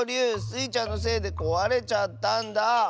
スイちゃんのせいでこわれちゃったんだ。